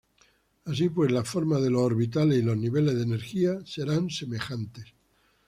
Así pues la forma de los orbitales y los niveles de energía serán semejantes.